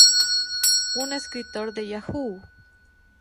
Un escritor de Yahoo!